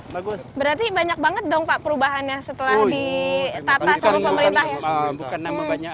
bagus berarti banyak banget dong pak perubahannya setelah ditata sama pemerintah bukan nama banyak